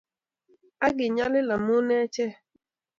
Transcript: Ak kinyalil amu achek.